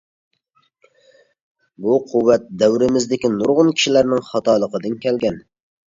بۇ قۇۋۋەت دەۋرىمىزدىكى نۇرغۇن كىشىلەرنىڭ خاتالىقىدىن كەلگەن.